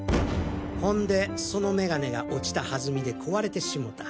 ほんでその眼鏡が落ちた弾みで壊れてしもた。